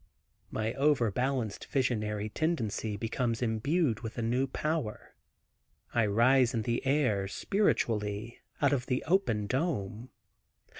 My overbalanced visionary tendency becomes imbued with a new power. I rise in the air, spiritually, out of the open dome.